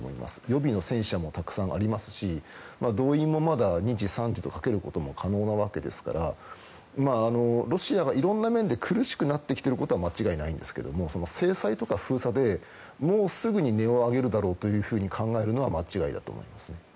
予備の戦車もたくさんありますし動員も２次３次とかけることも可能なわけですからロシアがいろんな面で苦しくなってきていることは間違いないんですけども制裁とか封鎖でもうすぐに音を上げるだろうと考えるのは間違いだと思いますね。